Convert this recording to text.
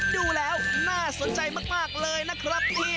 ดูแล้วน่าสนใจมากเลยนะครับพี่